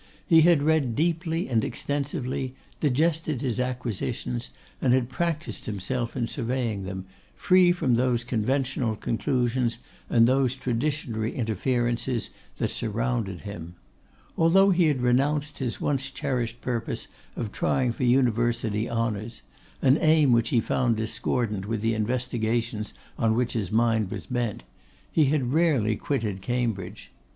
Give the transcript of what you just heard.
He had read deeply and extensively, digested his acquisitions, and had practised himself in surveying them, free from those conventional conclusions and those traditionary inferences that surrounded him. Although he had renounced his once cherished purpose of trying for University honours, an aim which he found discordant with the investigations on which his mind was bent, he had rarely quitted Cambridge.